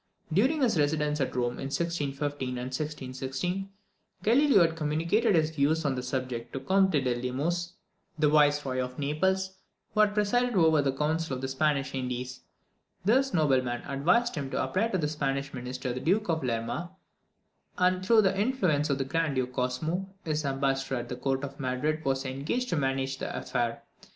During his residence at Rome in 1615 and 1616, Galileo had communicated his views on this subject to the Comte di Lemos, the Viceroy of Naples, who had presided over the council of the Spanish Indies. This nobleman advised him to apply to the Spanish minister the Duke of Lerma; and, through the influence of the Grand Duke Cosmo, his ambassador at the court of Madrid was engaged to manage the affair.